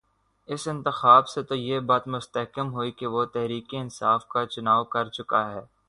اس انتخاب سے تو یہی بات مستحکم ہوئی کہ وہ تحریک انصاف کا چناؤ کر چکا ہے۔